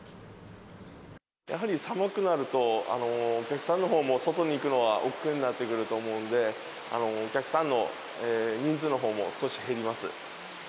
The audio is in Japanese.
やはり寒くなると、お客さんのほうも外に行くのはおっくうになってくると思うんで、お客さんの人数のほうも少し減ります。